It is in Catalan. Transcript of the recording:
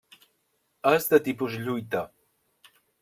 És de tipus Lluita.